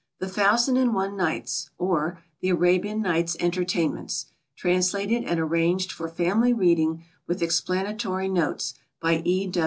The Thousand and One Nights; or, The Arabian Nights' Entertainments. Translated and Arranged for Family Reading, with Explanatory Notes, by E.